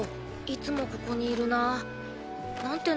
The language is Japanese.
いつもここにいるなぁ。なんて